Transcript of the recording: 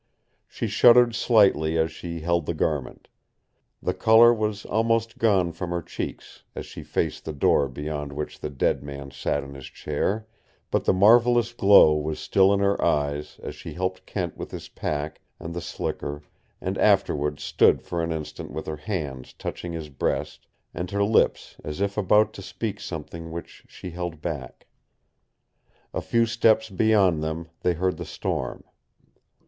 She shuddered slightly as she held the garment. The color was almost gone from her cheeks, as she faced the door beyond which the dead man sat in his chair, but the marvelous glow was still in her eyes as she helped Kent with his pack and the slicker and afterward stood for an instant with her hands touching his breast and her lips as if about to speak something which she held back. A few steps beyond them they heard the storm.